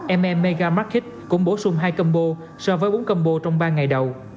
a m mega market cũng bổ sung hai combo so với bốn combo trong ba ngày đầu